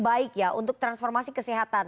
baik ya untuk transformasi kesehatan